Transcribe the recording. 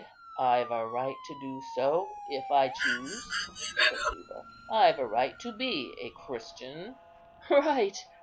"I've a right to do so, if I choose," said Juba; "I've a right to be a Christian." "Right!